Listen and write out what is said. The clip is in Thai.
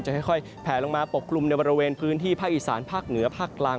ค่อยแผลลงมาปกกลุ่มในบริเวณพื้นที่ภาคอีสานภาคเหนือภาคกลาง